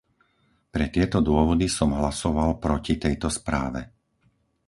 Pre tieto dôvody som hlasoval proti tejto správe.